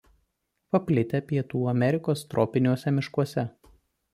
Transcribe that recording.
Paplitę Pietų Amerikos tropiniuose miškuose.